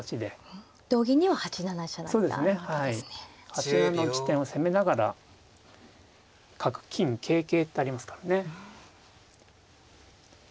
８七の地点を攻めながら角金桂桂ってありますからね。